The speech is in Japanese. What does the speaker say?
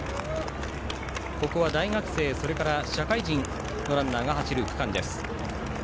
ここは大学生、社会人のランナーが走る区間です。